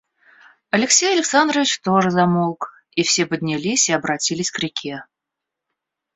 Алексей Александрович тоже замолк, и все поднялись и обратились к реке.